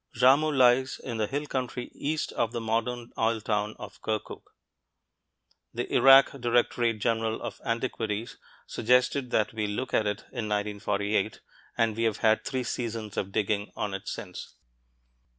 Jarmo lies in the hill country east of the modern oil town of Kirkuk. The Iraq Directorate General of Antiquities suggested that we look at it in 1948, and we have had three seasons of digging on it since.